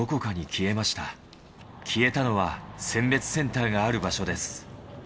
消えたのは、選別センターがある場所です。